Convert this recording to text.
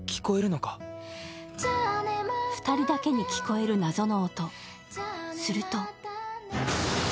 ２人だけに聞こえる謎の音。